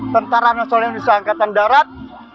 tentara nasional indonesia angkatan darat